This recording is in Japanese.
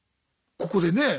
ここでねえ